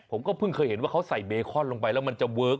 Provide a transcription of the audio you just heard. ผมก็เพิ่งเคยเห็นว่าเขาใส่เบคอนลงไปแล้วมันจะเวิร์ค